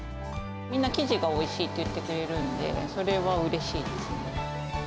みんな生地がおいしいって言ってくれるんで、それはうれしいですね。